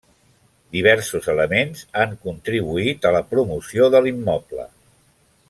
Diversos elements han contribuït a la promoció de l'immoble.